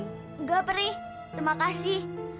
tidak pri terima kasih